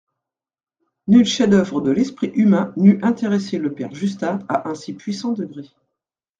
Nul chef-d'oeuvre de l'esprit humain n'eût intéressé le père Justin à un si puissant degré.